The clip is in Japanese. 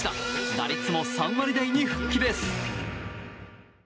打率も３割台に復帰です。